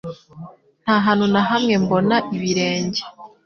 Nta hantu na hamwe mbona ibirenge